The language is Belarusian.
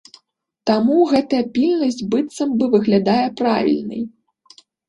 Таму гэтая пільнасць быццам бы выглядае правільнай.